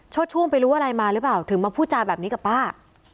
ช่วงไปรู้อะไรมาหรือเปล่าถึงมาพูดจาแบบนี้กับป้า